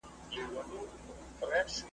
ښايي پر غوږونو به ښه ولګیږي,